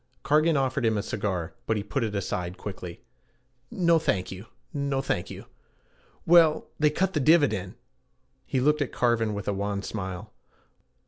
Cargan offered him a cigar, but he put it aside quickly. 'No, thank you; no, thank you Well they cut the dividend.' He looked at Cargan with a wan smile.